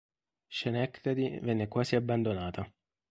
Schenectady venne quasi abbandonata.